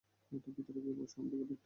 ভিতরে গিয়ে বসো, আমি তাকে ডাকছি।